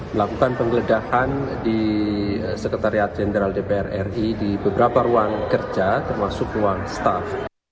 melakukan penggeledahan di sekretariat jenderal dpr ri di beberapa ruang kerja termasuk ruang staff